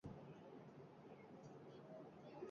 ঠিক আছে - ঠিক আছে - নোরা, তুমি ঠিক আছে?